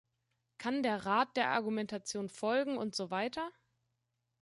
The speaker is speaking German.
Kann der Rat der Argumentation folgen und so weiter?